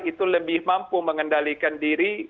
itu lebih mampu mengendalikan diri